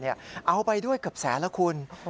เอาไปด้วยเกือบแสนแล้วคุณ